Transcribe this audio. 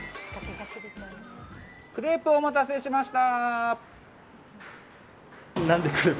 クレープお待たせしました！